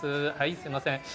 すみません。